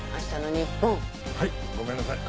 はいごめんなさい。